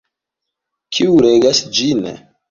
Kiu regas ĝin?